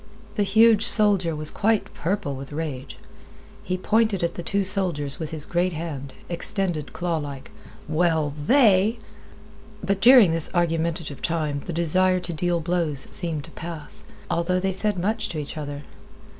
The huge soldier was quite purple with rage. He pointed at the two soldiers with his great hand, extended clawlike. "Well, they—" But during this argumentative time the desire to deal blows seemed to pass, although they said much to each other.